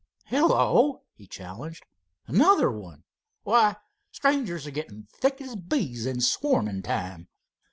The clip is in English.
"Hello," he challenged, "another one? Why, strangers are getting thick as bees in swarming time."